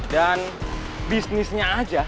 dan bisnisnya aja